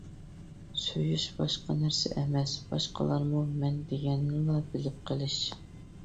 سۆيۈش باشقا نەرسە ئەمەس، باشقىلارمۇ «مەن» دېگەننىلا بىلىپ قېلىش.